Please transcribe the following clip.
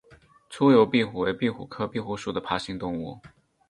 粗疣壁虎为壁虎科壁虎属的爬行动物。